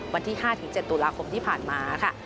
วันที่๕๗ตุลาคมที่ผ่านมาค่ะ